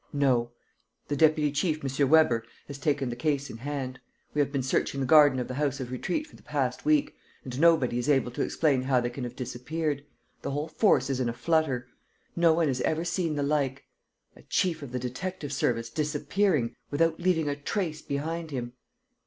"No. The deputy chief, M. Weber, has taken the case in hand. We have been searching the garden of the House of Retreat for the past week; and nobody is able to explain how they can have disappeared. The whole force is in a flutter. ... No one has ever seen the like ... a chief of the detective service disappearing, without leaving a trace behind him!"